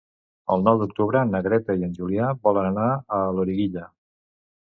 El nou d'octubre na Greta i en Julià volen anar a Loriguilla.